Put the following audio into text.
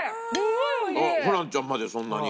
ホランちゃんまでそんなに。